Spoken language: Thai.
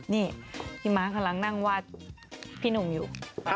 นี่พี่ม้ากำลังนั่งวาดพี่หนุ่มอยู่